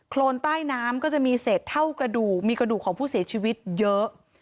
โรนใต้น้ำก็จะมีเศษเท่ากระดูกมีกระดูกของผู้เสียชีวิตเยอะ